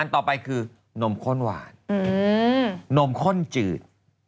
ต่อไปคือนมข้นหวานนมข้นจืด